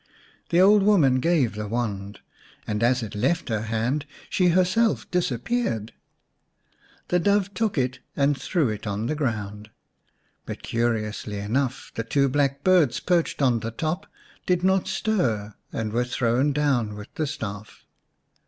The old woman gave the wand, and as it left her hand she herself disappeared. The Dove took it and threw it on the ground, but curiously enough the two black birds perched on the top did not stir and were thrown down with the staff.